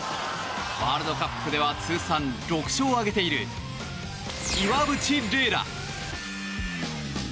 ワールドカップでは通算６勝を挙げている岩渕麗楽。